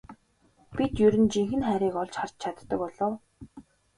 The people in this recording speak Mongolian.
Бид ер нь жинхэнэ хайрыг олж харж чаддаг болов уу?